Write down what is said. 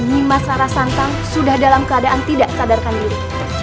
mimas rara santang sudah dalam keadaan tidak sadarkan diri